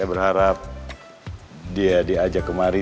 saya berharap dia diajak kemari